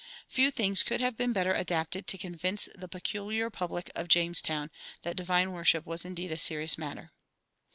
Few things could have been better adapted to convince the peculiar public of Jamestown that divine worship was indeed a serious matter.